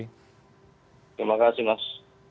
terima kasih mas